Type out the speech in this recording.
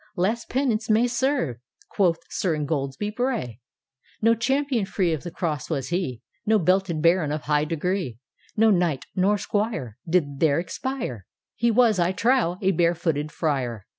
Less penance may serve! " quoth Sir Ingoldsby Bray. " No champion free of the Cross was he ; No belted Baron of high degree; No Knight nor Squire Did there expire; He was, I trow, a bare footed Friar!